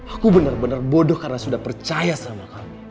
aku bener bener bodoh karena sudah percaya sama kamu